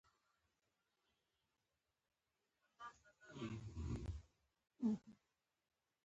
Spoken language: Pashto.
ایا خدای دې ستاسو اولاد وساتي؟